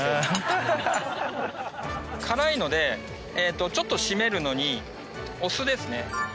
辛いのでちょっと締めるのにお酢ですね。